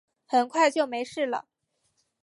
很快就没事了